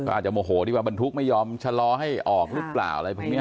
อาจจะโมโหที่ว่าบรรทุกไม่ยอมชะลอให้ออกหรือเปล่าอะไรพวกนี้